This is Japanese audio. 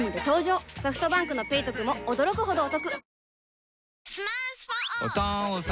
ソフトバンクの「ペイトク」も驚くほどおトク